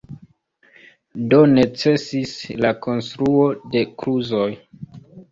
Do necesis la konstruo de kluzoj.